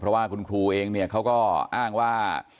เพราะว่าคุณครูเองเนี่ยเขาก็อ้างว่า